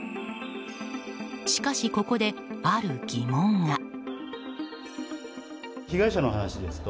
しかしここで、ある疑問が。